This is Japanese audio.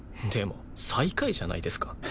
でも最下位じゃないですか。